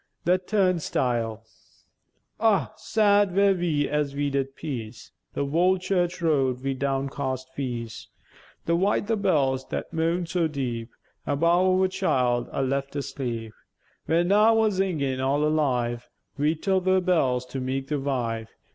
THE TURNSTILE Ah! sad wer we as we did peäce The wold church road, wi' downcast feäce, The while the bells, that mwoan'd so deep Above our child a left asleep, Wer now a zingèn all alive Wi' tother bells to meäke the vive.